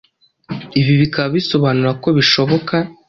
ibi bikaba bisobanura ko bishoboka